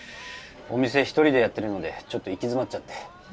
お店一人でやってるのでちょっと行き詰まっちゃって。